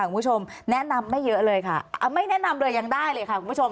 คุณผู้ชมแนะนำไม่เยอะเลยค่ะไม่แนะนำเลยยังได้เลยค่ะคุณผู้ชม